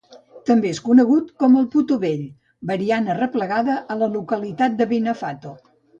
També és conegut com el Puto vell variant arreplegada a la localitat de Benifato.